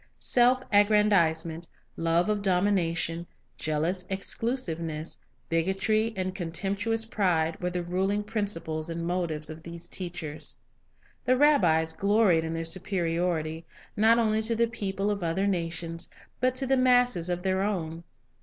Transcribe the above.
Self aggrandizement, love of domination, jealous exclusiveness, bigotry and contemp tuous pride, were the ruling principles and motives of these teachers. The rabbis gloried in their superiority, not only to the people of other nations, but to the masses of their own.